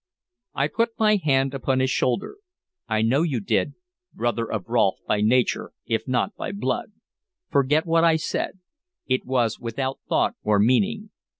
I put my hand upon his shoulder. "I know you did, brother of Rolfe by nature if not by blood! Forget what I said; it was without thought or meaning.